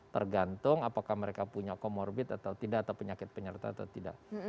tergantung apakah mereka punya comorbid atau tidak atau penyakit penyerta atau tidak